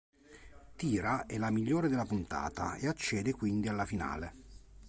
Tyra è la migliore della puntata e accede quindi alla finale.